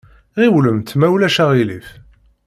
Ɣiwlemt ma ulac aɣilif!